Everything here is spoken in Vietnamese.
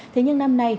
thế nhưng năm nay